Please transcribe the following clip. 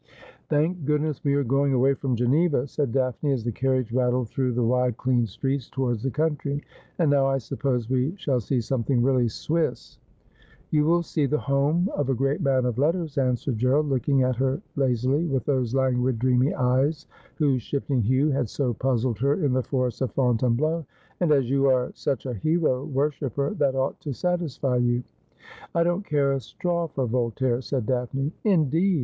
' Thank goodness we are going away from G eneva,' said Daphne, as the carriage rattled through the wide clean streets towards the country ;' and now I suppose we shall see something really Swiss.' ' You will see the home of a great man of letters,' answered Gerald, looking at her lazily with those languid dreamy eyes whose shifting hue had so puzzled her in the forest of Fontaine bleau, ' and as you are such a hero worshipper, that ought to satisfy you.' ' I don't care a straw for Voltaire,' said Daphne. ' Indeed